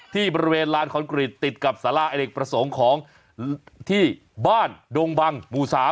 ที่บริเวณลานคอนกรีตติดกับสาราอเนกประสงค์ของที่บ้านดงบังหมู่๓